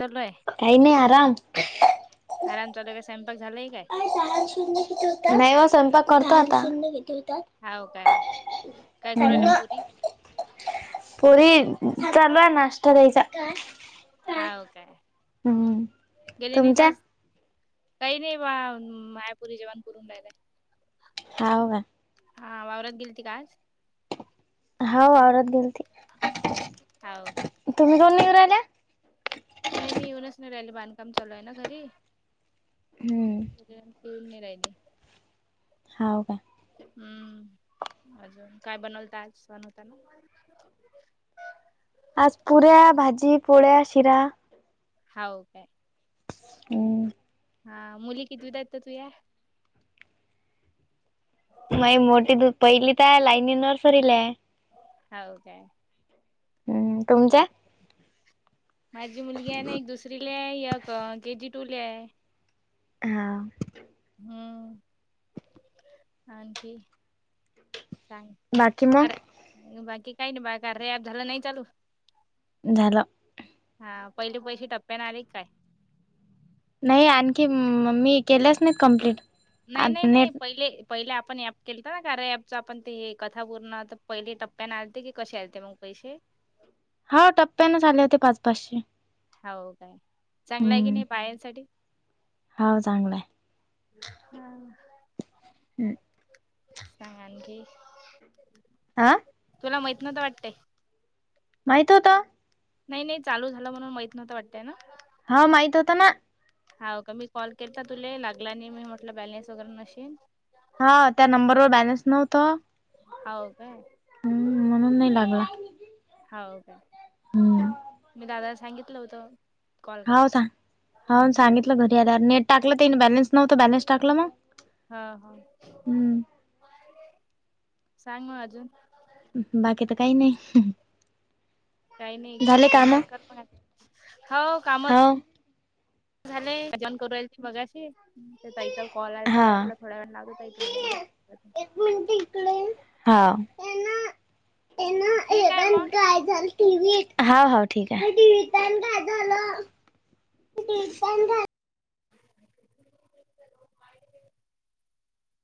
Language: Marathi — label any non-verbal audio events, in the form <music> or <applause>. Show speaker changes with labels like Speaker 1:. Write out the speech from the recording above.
Speaker 1: चालू आहे
Speaker 2: काही नाही आराम.
Speaker 1: आराम चालूये काय स्वयंपाक झालाय काय?
Speaker 2: नाही ओ स्वयंपाक करतो आता.
Speaker 1: हाय ओ काय, काय करु राहिल्या
Speaker 2: हम्म.
Speaker 1: पोरी.
Speaker 2: पोरी चालू आहे नाश्ता द्यायचा. काय काय हम्
Speaker 1: गेले नाहीस
Speaker 2: तुमच्या-
Speaker 1: आज काही नाही बा माया पोरी जेवाण करून राहिल्या.
Speaker 2: हाव का.
Speaker 1: हा वावरात गेलती का आज?
Speaker 2: हाव वावरात गेलते.
Speaker 1: हाव काय.
Speaker 2: तुम्ही काऊन नही येऊ राहील्या.
Speaker 1: नाही मी येऊनच नाही रहिली बांधकाम चालू आहे ना घरी.
Speaker 2: हम्म
Speaker 1: येऊन नई राहिले.
Speaker 2: हाव का.
Speaker 1: हम्म अजून काय बनवलात आज? सण होताना.
Speaker 2: आज पुऱ्या भाजी पोळ्या शिरा.
Speaker 1: हाव काय.
Speaker 2: हम्म.
Speaker 1: हा मुली कितवीत आहे तुझ्या?
Speaker 2: माई मोठी दु पहिलीत आहे. लायनी नर्सरीला आहे.
Speaker 1: हाव काय.
Speaker 2: हम्म
Speaker 1: बर
Speaker 2: तुमच्या?
Speaker 1: माझी मुलगी आहे ना एक दुसरी ला ये एक के जी टू ला आहे.
Speaker 2: हा.
Speaker 1: हम्म आणखी. काय,
Speaker 2: बाकी मग?
Speaker 1: बाकी काही नाही बा कार्या ॲप झाला‌ नाही चालू.
Speaker 2: झाला.
Speaker 1: हा पहिले पैसे टप्प्यान आले की काय.
Speaker 2: नाही आणखी मी केल्याच नाहीत कम्प्लीट.
Speaker 1: नाही नाही नाही पहिले. पहिले आपण ऍप केलंत ना कार्या ऍपच. आपण ते कथा पूर्ण पहिले टप्प्यान आलते की कसे आलते मग पैसे.
Speaker 2: हा टप्प्यानच आले होते पाच-पाचशे.
Speaker 1: हाव काय चांगलं आहे की नाही बायांसाठी.
Speaker 2: हाव चांगलं आहे.
Speaker 1: हा.
Speaker 2: हम्म
Speaker 1: सांग आणखी.
Speaker 2: आं.
Speaker 1: तुला माहित नव्हतं वाटतय.
Speaker 2: माहित होत.
Speaker 1: नाही नाही चालू झाला म्हणून माहित नव्हत वाटतय ना.
Speaker 2: हा माहित होता ना.
Speaker 1: हाव का मी कॉल केलता तुले, लागला नाही मी म्हटलं बॅलेन्स वगैरे नशीन.
Speaker 2: हा त्या नंबरवर बॅलन्स नव्हतं.
Speaker 1: हाव काय.
Speaker 2: हम्म म्हणून नाही लागला.
Speaker 1: हाव काय.
Speaker 2: हम्म.
Speaker 1: मी दादाला सांगितलं होतं. कॉल
Speaker 2: हाव का,
Speaker 1: करायच
Speaker 2: हाव
Speaker 1: हम्म
Speaker 2: सांगीतल घरी आल्यावर, नेट टाकलं तेनी बॅलेन्स नवतं बॅलन्स टाकलं मग.
Speaker 1: हा हा
Speaker 2: हम्म
Speaker 1: सांग मग अजून.
Speaker 2: बाकी तर काही नाही.
Speaker 1: काही नाही
Speaker 2: झाले काम
Speaker 1: स्वयंपाक करत हाय. हाव काम
Speaker 2: हाव
Speaker 1: झालंय, जेवन करु राहिलेती मघाशी. त्या ताईचा कॉल आलता
Speaker 2: हा
Speaker 1: म्हटलं, थोड्या वेळाने लावते ताई तुम्हाले.
Speaker 2: एक इकडे ये, हा, ह्यना ह्यना हे
Speaker 1: ठीक आहे
Speaker 2: बघ
Speaker 1: मग.
Speaker 2: ना काय झाल. टीव्हीत, हा हा ठीक आहे. टीव्हीत पण काय
Speaker 1: <inaudible>